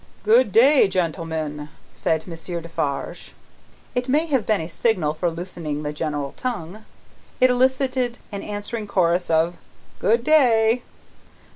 "Good day, gentlemen!" said Monsieur Defarge. It may have been a signal for loosening the general tongue. It elicited an answering chorus of "Good day!"